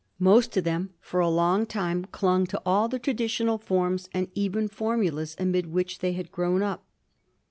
Most of them for a long time clung to all the traditional forms and even formulas amid which they had grown up.